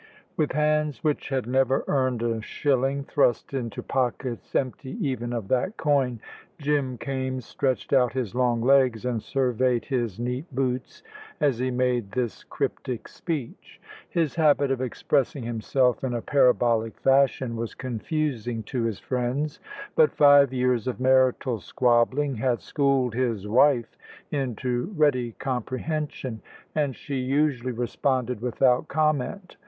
With hands which had never earned a shilling thrust into pockets empty even of that coin, Jim Kaimes stretched out his long legs and surveyed his neat boots as he made this cryptic speech. His habit of expressing himself in a parabolic fashion was confusing to his friends. But five years of marital squabbling had schooled his wife into ready comprehension, and she usually responded without comment.